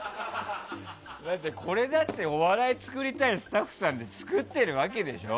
これだってお笑い作りたいスタッフさんで作ってるわけでしょ？